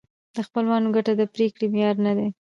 د خپلوانو ګټه د پرېکړې معیار نه دی.